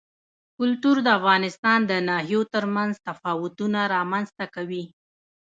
کلتور د افغانستان د ناحیو ترمنځ تفاوتونه رامنځ ته کوي.